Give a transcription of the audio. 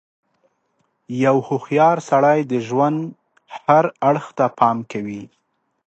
• یو هوښیار سړی د ژوند هر اړخ ته پام کوي.